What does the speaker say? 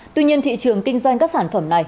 tuy nhiên thị trường kinh doanh các sản phẩm này